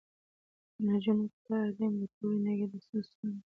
د نجونو تعليم د ټولنې ګډې ستونزې کموي.